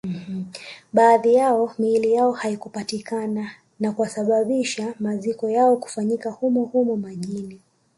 Baadhi yao miili yao haikupatikana na kusababisha maziko yao kufanyika humo humo majini